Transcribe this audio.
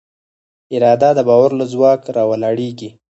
اراده د باور له ځواک راولاړېږي.